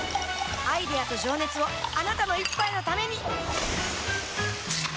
アイデアと情熱をあなたの一杯のためにプシュッ！